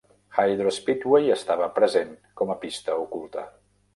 Hydro Speedway estava present com a pista oculta.